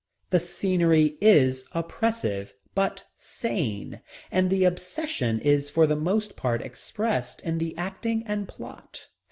The scenery is oppressive, but sane, and the obsession is for the most part expressed in the acting and plot.